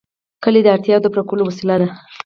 کلي د اړتیاوو د پوره کولو وسیله ده.